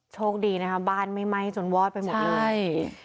โชคดีนะครับบ้านไหม้จนวอดไปหมดเลย